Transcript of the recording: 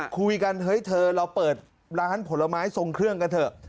คุยกันเฮ้ยเธอเราเปิดร้านผลไม้ทรงเครื่องกันเถอะ